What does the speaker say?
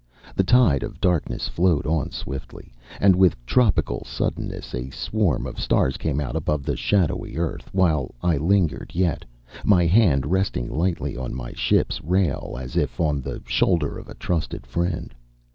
The tide of darkness flowed on swiftly; and with tropical suddenness a swarm of stars came out above the shadowy earth, while I lingered yet, my hand resting lightly on my ship's rail as if on the shoulder of a trusted friend.